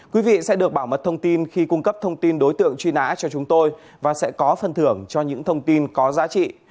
quý vị sẽ được bảo mật thông tin khi cung cấp thông tin đối tượng truy nã cho chúng tôi và sẽ có phân thưởng cho những thông tin có giá trị